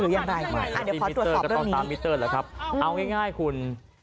เดี๋ยวพอตรวจสอบเรื่องนี้อ๋อมิตเตอร์ก็ต้องตามมิตเตอร์แล้วครับเอาง่ายคุณ